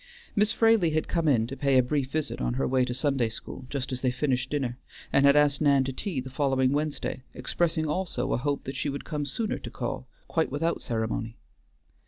Miss Fraley had come in to pay a brief visit on her way to Sunday school just as they finished dinner, and had asked Nan to tea the following Wednesday, expressing also a hope that she would come sooner to call, quite without ceremony.